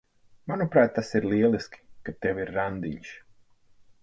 Manuprāt, tas ir lieliski, ka tev ir randiņš.